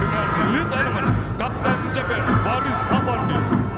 dengan lidah kakten cpn baris afandi